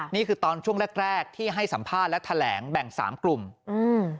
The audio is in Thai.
นี่คือตอนช่วงแรกแรกที่ให้สัมภาษณ์และแถลงแบ่งสามกลุ่มอืม